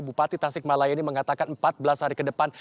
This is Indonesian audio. bupati tasikmalaya ini mengatakan empat belas hari ke depan